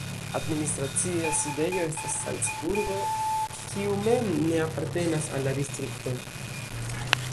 Administracia sidejo estas Salcburgo, kiu mem ne apartenas al la distrikto.